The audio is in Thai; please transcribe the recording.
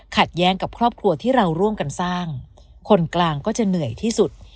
แย้งกับครอบครัวที่เราร่วมกันสร้างคนกลางก็จะเหนื่อยที่สุด